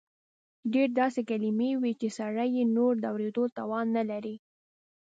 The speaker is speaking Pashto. ډېر داسې کلیمې وې چې سړی یې نور د اورېدو توان نه لري.